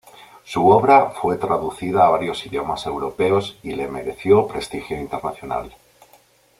Su obra fue traducida a varios idiomas europeos y le mereció prestigio internacional.